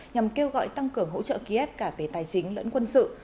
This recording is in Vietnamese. nhằm kêu gọi tăng cường hỗ trợ kiev cả về tài chính lẫn quân sự